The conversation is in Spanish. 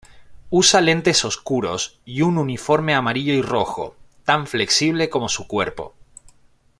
Usa lentes oscuros y un uniforme amarillo y rojo, tan flexible como su cuerpo.